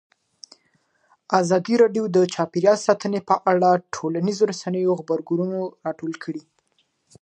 ازادي راډیو د چاپیریال ساتنه په اړه د ټولنیزو رسنیو غبرګونونه راټول کړي.